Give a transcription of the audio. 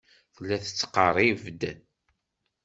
Tella tettqerrib-d.